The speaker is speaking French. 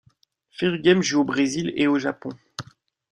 Ferrugem joue au Brésil et au Japon.